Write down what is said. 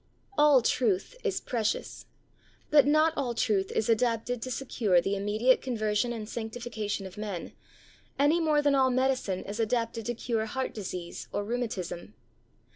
All truth is precious, but not all truth is adapted to secure the immediate conversion and sanctification of men, any more than all medicine is adapted to cure heart disease or rheumatism.